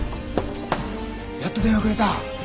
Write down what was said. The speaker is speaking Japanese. やっと電話くれた。